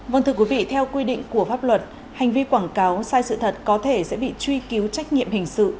vâng thưa quý vị theo quy định của pháp luật hành vi quảng cáo sai sự thật có thể sẽ bị truy cứu trách nhiệm hình sự